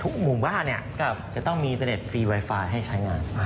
หมู่บ้านจะต้องมีอินเตอร์เน็ตฟรีไวไฟให้ใช้งาน